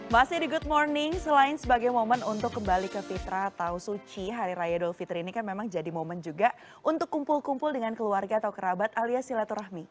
masih di good morning selain sebagai momen untuk kembali ke fitrah atau suci hari raya idul fitri ini kan memang jadi momen juga untuk kumpul kumpul dengan keluarga atau kerabat alias silaturahmi